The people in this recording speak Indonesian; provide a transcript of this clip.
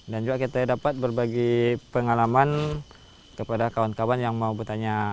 dan juga kita dapat berbagi pengalaman kepada kawan kawan yang mau bertanya